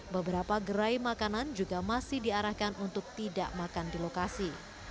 beberapa gerai makanan juga masih diarahkan untuk tidak makan di lokasi